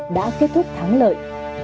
đã kết thúc thắng lợi